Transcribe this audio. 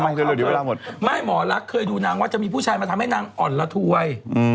อ่านต่อไปนะครับตัวติดติดทำไมทำไม